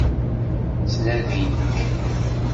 Ttnadin-k.